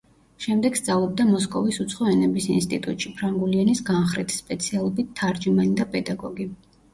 შემდეგ სწავლობდა მოსკოვის უცხო ენების ინსტიტუტში, ფრანგული ენის განხრით, სპეციალობით „თარჯიმანი და პედაგოგი“.